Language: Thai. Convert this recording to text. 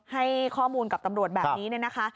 ให้ข้อมูลกับตำรวจแบบนี้เนี่ยนะคะ